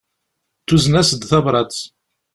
Tuzen-as-d tabrat.